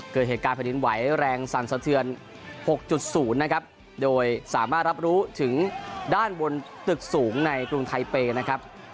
เกิดเหตุการณ์แผ่นดินไหวแรงสั่นสะเทือน๖๐นะครับโดยสามารถรับรู้ถึงด้านบนตึกสูงในกรุงไทเปย์นะครับ